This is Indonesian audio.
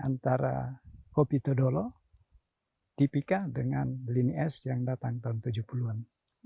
antara kopi todolo tipika dengan lini s yang datang tahun tujuh puluh an